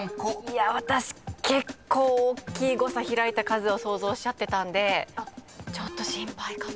私結構おっきい誤差開いた数を想像しちゃってたんでちょっと心配かも。